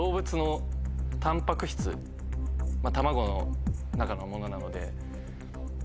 卵の中のものなので。